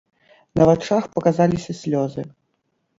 На вачах паказаліся слёзы.